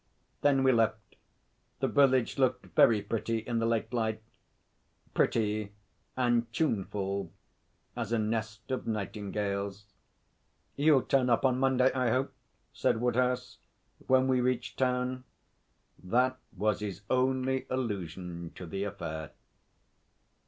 Then we left. The village looked very pretty in the late light pretty and tuneful as a nest of nightingales. 'You'll turn up on Monday, I hope,' said Woodhouse, when we reached town. That was his only allusion to the affair.